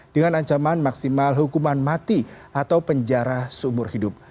dengan ancaman maksimal hukuman mati atau penjara seumur hidup